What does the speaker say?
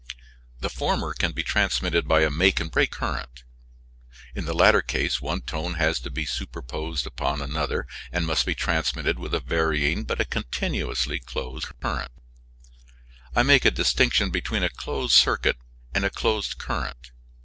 The former can be transmitted by a make and break current. In the latter case one tone has to be superposed upon another and must be transmitted with a varying but a continuously closed current. I make a distinction between a closed circuit and a closed current.